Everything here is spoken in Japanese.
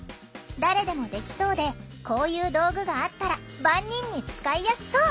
誰でもできそうでこういう道具があったら万人に使いやすそう！」。